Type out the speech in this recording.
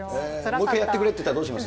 もう一回やってくれって言ったらどうします？